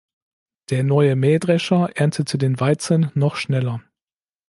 Der neue Mähdrescher erntete den Weizen noch schneller.